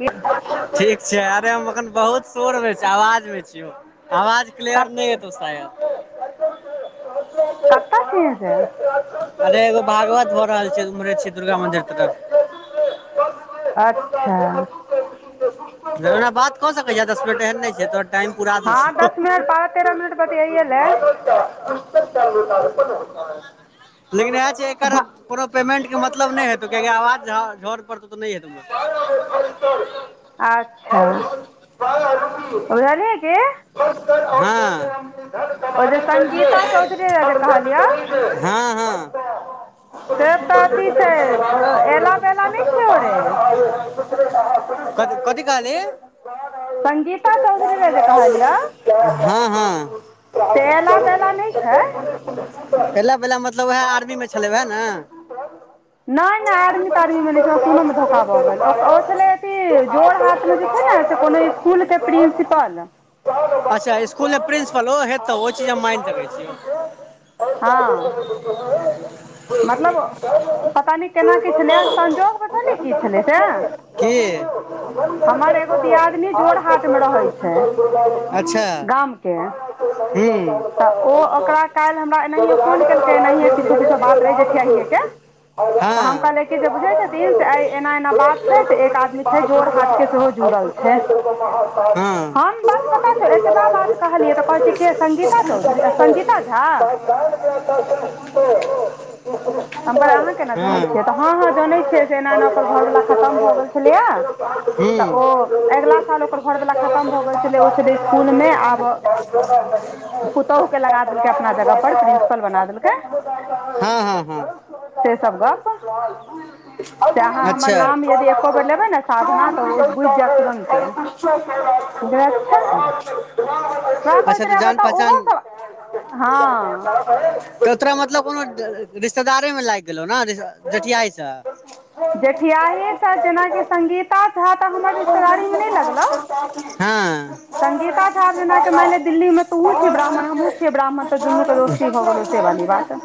की ठीक छैय अरे हम एखन बहुत शोरमे छैय आवाज मे छियौ आवाज। क क्लेयर नहि हेतव सायद। कत छीही से? अरे एगो भागवत भ रहल छैय उमरे छ दुर्गा मंदिर त त। अच्छा ओना बात क सकै छ दस मिनट एहन नहि छैय तो हँ दस मिनट बारह तेरह मिनट बतिया लै। लेकिन इएह छैय एकर प पेमेंट के मतलब नहि हेतौ किया कि आवाज झौर पड़तो त नहि होतौ। अच्छा [unintelligible] हँ ओ जे संगीता [unintelligible] चौधरी जे कहलियौ हँ हँ से तऽ अथी छैय अला बेला नहि छैय ओ रे। कथी कथि काहलीही? गीता चौधरी ल जे कहलियौ हँ हँ तेला बेला नहि छैय। पहिला पहिला मतलब उएह आर्मीमे छलै उएह ने? नहि नहि आडमी तारमीमें नहि पर छैय प्रयास सुनमे धो खा नहीं भऽ कर गेल पाया ओ छलै अथ तो जोड़ आप हाथ उसके मे जे छैय ने बाहर से कोनो अनुभवी स्कुल के विद्वान। प्रिंसिपल। अच्छा स्कूलमे प्रिंसिपल ओ हेतव ओ चीज हम मानि सकै छी। हँ [inaudible] मतलब पता नहि केना की छलै संजोग बुझलिही की छलै से। हमर एगो दियादिनी जोरहाटमे रहै छै की? गामके हू तऽ ओ ओकरा काल्हि हमरा एनाहियए फोन रावण केलकै लड़ाई एनाहियए लड़ किछो गए किछो थे बात रहै राम से जेठियहिएके से आइ एना एना बात छै से एक हँ आदमी छै जोरहाटके सेहो जुड़ल छै हम हँ बस पता छौ एतबा बात कहलियै तऽ कहै छै के संगीता चौधरी [inaudible] संगीता झा [inaudible] तऽ हम कहली अहाँ पर केना जनैत हूँ छियै तऽ हँ हँ जनैत छियै से एना एना ओकर घरवलाा खतम भऽ गेल छलैए तऽ ओ अगिला साल ओकर घरवाला खतम भऽ गेल छलै ओ छलै स्कुल मे आब [unintelligible] पुतोह क लगा देलकै अपना जगह पर प्रिंसिपल बना देलकै [unintelligible] हँ हँ हँ से सब गप [inaudible] से अहाँ हमर नाम यदि एको बेर लेबै ने अच्छा साधना तऽ ओ बुझ जाय तुरन्ते [unintelligible] [unintelligible] [unintelligible] सेह कहइत तऽ रह जान बताउ पहचान ओहो सब [inaudible] हँ तऽ तोरा मतलब कोनो रिश्तेदारे में लाइग गेलौ ने जठियाइ से जेठियहीसँ जेनाकि संगीता झा तऽ हमर रिश्तेदारीमे नाए लागलो [unintelligible] हँ संगीता झा ज जेनााक मानए दिल्ली मे तुहे छी ब्राह्मण हमहुँ छिए ब्राह्मण तऽ दुनू के दोस्त भ गेलो से वाली बात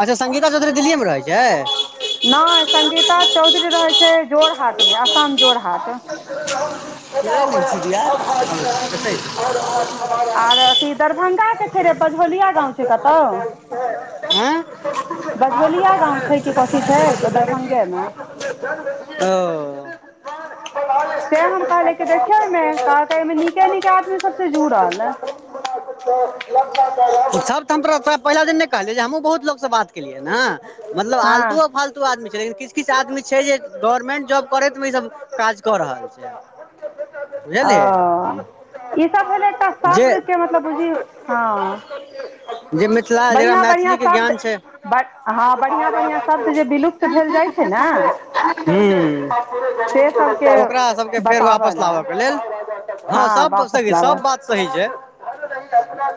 अच्छ संगीता चौधरी दिल्ली मे रहैत छै नाए संगीता चौधरी रहैत छै जोरहाट मे असम जोरहाट [unintelligible] आर अथी दरभंगा छै रे बझौलिया गाँव छै कतहु आँय बझौलिया गाँव छै कि कथी छै दरभंगे मे [unintelligible] तैं हम कहलीयै कि देखियौ न कहलक आइ मे नीके नीके आदमी सबस छै जुड़ल सभ तऽ हम त पहिला दिन नहि कहलियै जे हम हूँ बहुत लोकसँ बात केलियै ने मतलब हँ आलतू आ फालतू आदमी छै लेकिन किछ किछ आदमी छै जे गवर्नमेंट जॉब करैतमे ई सब काज कऽ रहल छै ओ बुझलियै ई सब भेलै एकटा जे शब्दके मतलब बुझिय हँ [unintelligible] मिथिला जकरा बढ़िआँ बढ़िआँ मैथिलीके ज्ञान शब्द छै [unintelligible] बड़ हँ बढ़िआँ बढ़िआँ शब्द जे विलुप्त भेल जाइ छै ने हु से सबके ओकरा सबके फेर बताबऽ वापस लए लाबऽके लेल हँ सब वापस सही सब लाबऽ बात सही छै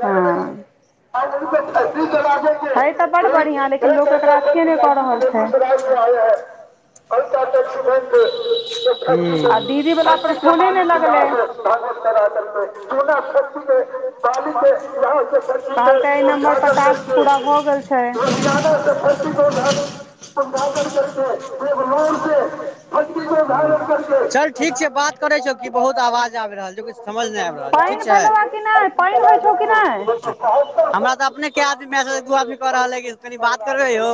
हँ [unintelligible] छै तऽ बड बढ़िआं एक लेकिन लोक एकरा अथिए नए कऽ रहल आए छै [unintelligible] आ दीदी वला पर [unintelligible] फोने नहि लगलै [unintelligible] कहलकै एहि नम्बर पर टास्क पूरा भऽ गेल [unintelligible] छै [unintelligible] [unintelligible] चल ठीक छै बात करै छियो की बहुत आवाज किछु समझ नहि आबि रहल छै ठीक पानि छै भेलौ आ कि नहि पानि होइ छौ कि नहि हमरा तऽ अपने कै आदमी मैसेज दू आदमी कऽ रहल है कनि बात करबै यौ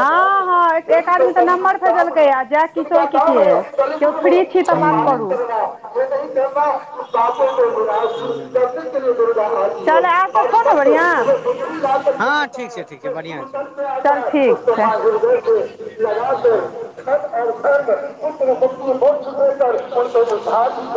हँ हँ [unintelligible] [unintelligible] [unintelligible] एक आदमी तऽ नम्बर भेजलकै आ जय हँ किशोर की के केओ फ्री छी तऽ बात करू चल आर सब छौ ने बढ़िआँ ठीक छै ठीक छै बढ़िआँ चल ठीक छै [unintelligible] [unintelligible]